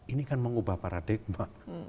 ini kan mengubah paradigma